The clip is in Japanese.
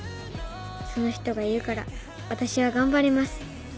その人がいるから私は頑張れます。